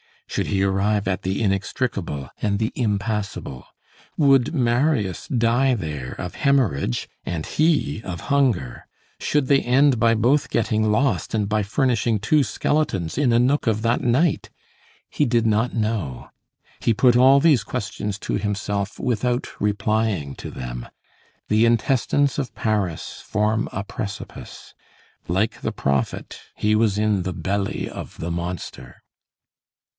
should he arrive at the inextricable and the impassable? would Marius die there of hemorrhage and he of hunger? should they end by both getting lost, and by furnishing two skeletons in a nook of that night? He did not know. He put all these questions to himself without replying to them. The intestines of Paris form a precipice. Like the prophet, he was in the belly of the monster.